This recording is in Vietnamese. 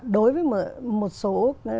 đối với một số